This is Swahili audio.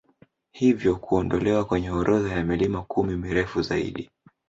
Hivyo kuondolewa kwenye orodha ya milima kumi mirefu zaidi